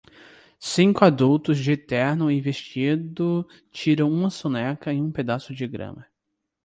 Cinco adultos de terno e vestido tiram uma soneca em um pedaço de grama.